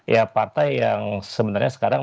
ya partai yang sebenarnya sekarang